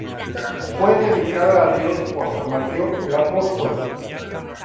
Fue dedicada a Dios por San Mateo el Apóstol.